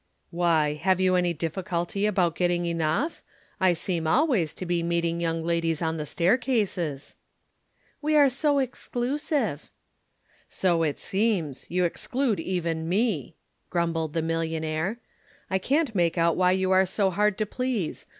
"Why, have you any difficulty about getting enough? I seem always to be meeting young ladies on the staircases." "We are so exclusive." "So it seems. You exclude even me," grumbled the millionaire. "I can't make out why you are so hard to please.